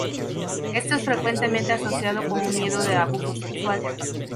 Esto es frecuentemente asociado con un miedo de abuso sexual.